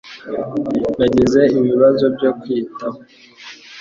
Nagize ibibazo byo kwitaho